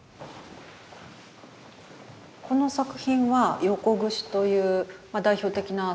この作品は「横櫛」という代表的な作品の一つですけれども。